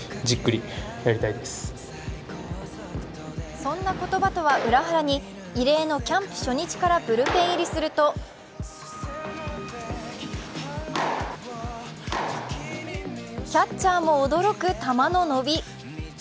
そんな言葉とは裏腹に異例のキャンプ初日からブルペン入りするとキャッチャーも驚く球の伸び。